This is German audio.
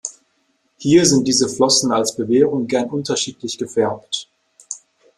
Hier sind diese Flossen als Bewehrung gern unterschiedlich gefärbt.